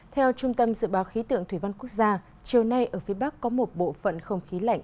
theo trung tâm dự báo khí tượng thủy văn quốc gia chiều nay ở phía bắc có một bộ phận không khí lạnh